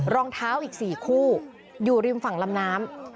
รองเท้าอีก๔คู่อยู่ริมฝั่งลำน้ำ